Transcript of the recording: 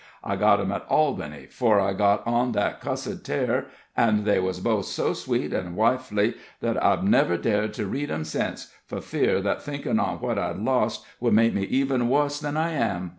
I got 'em at Albany, 'fore I got on that cussed tare, an' they was both so sweet an' wifely, that I've never dared to read 'em since, fur fear that thinkin' on what I'd lost would make me even wuss than I am.